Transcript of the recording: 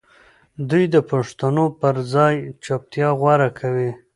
دوی د پوښتنو پر ځای چوپتيا غوره کوي.